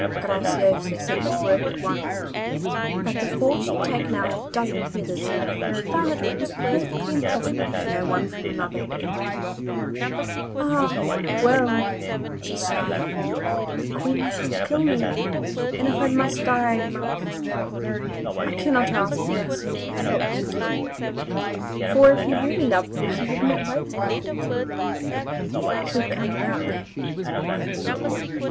Graciosa set to work at once, but before she had taken out a dozen feathers she found that it was perfectly impossible to know one from another. 'Ah! well,' she sighed, 'the Queen wishes to kill me, and if I must die I must. I cannot ask Percinet to help me again, for if he really loved me he would not wait till I called him, he would come without that.